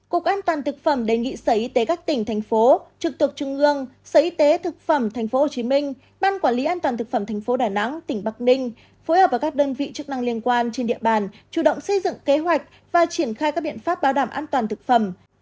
cục an toàn thực phẩm đề nghị sở y tế các tỉnh thành phố trực tục trung ương sở y tế thực phẩm tp hcm ban quản lý an toàn thực phẩm tp đà nẵng tỉnh bắc ninh phối hợp với các đơn vị chức năng liên quan trên địa bàn chủ động xây dựng kế hoạch và triển khai các biện pháp bảo đảm an toàn thực phẩm